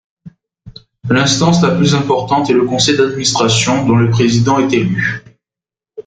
L'instance la plus importante est le conseil d'administration, dont le président est élu.